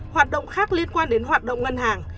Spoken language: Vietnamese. hoạt động khác liên quan đến hoạt động ngân hàng